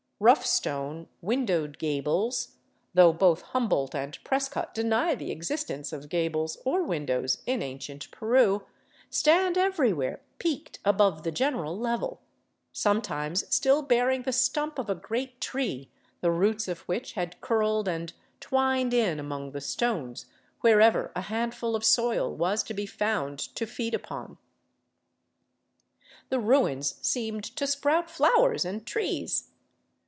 Rough stone, windowed gables — though both Humboldt and Prescott deny the existence of gables or windows in ancient Peru — stand everywhere peaked above the general level, sometimes still bearing the stump of a great tree the roots of which had curled and twined in among the stones wherever a handful of soil was to be found to feed upon. The ruins seemed to sprout flowers and trees.